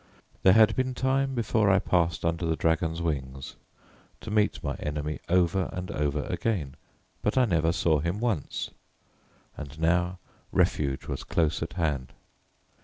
There had been time before I passed under the Dragon's wings to meet my enemy over and over again, but I never saw him once, and now refuge was close at hand.